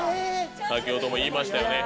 先ほども言いましたよね。